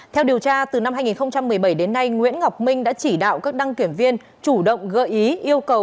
theo điều tra từ năm hai nghìn một mươi bảy đến nay nguyễn ngọc minh đã chỉ đạo các đăng kiểm viên chủ động gợi ý yêu cầu